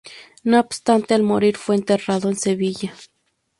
No obstante, al morir, fue enterrado en Sevilla.